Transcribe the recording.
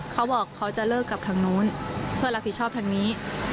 เขาบอกเขาจะเลิกกับทางนู้นเพื่อรับผิดชอบทางนี้